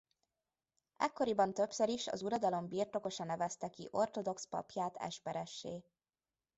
Ekkoriban többször is az uradalom birtokosa nevezte ki ortodox papját esperessé.